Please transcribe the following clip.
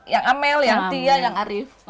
yang amel yang tia yang arif